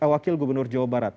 wakil gubernur jawa barat